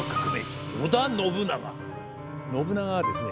信長はですね